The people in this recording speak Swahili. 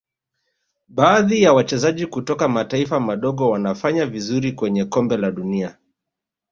baadhi ya wachezaji kutoka mataifa madogo wanafanya vizuri kwenye Kombe la dunia